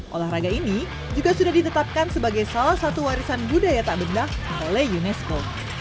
olahraga ini juga sudah ditetapkan sebagai salah satu warisan budaya tak bendak oleh unesco